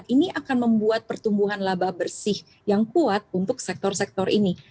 ini akan membuat pertumbuhan laba bersih yang kuat untuk sektor sektor ini